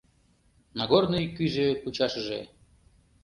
Нагорный кӱзӧ кучашыже